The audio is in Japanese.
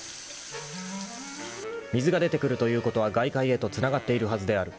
［水が出てくるということは外界へとつながっているはずである］